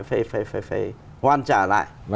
phải hoàn trả lại